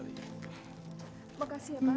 terima kasih pak